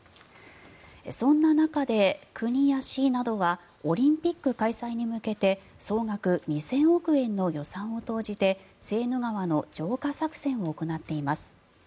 そんな中で国や市などはオリンピック開催に向けて総額２０００億円の予算を投じてセーヌ川の浄化作戦を行っています。